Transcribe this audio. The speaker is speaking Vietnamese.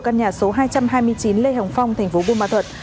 của căn nhà số hai trăm hai mươi chín lê hồng phong thành phố bù ma thuật